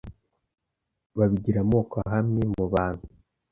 babigira amoko ahamye mubantu